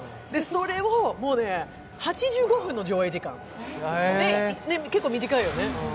それを、もうね８５分の上映時間、結構短いよね。